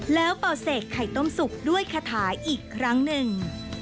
แล้วเป่าเสกไข่ต้มสุกด้วยคาถาอีกครั้งหนึ่ง